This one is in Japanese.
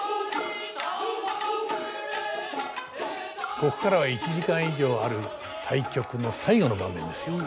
ここからは１時間以上ある大曲の最後の場面ですよ。